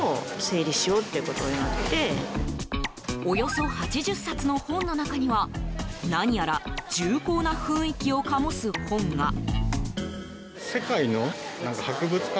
およそ８０冊の本の中には何やら重厚な雰囲気を醸す本が。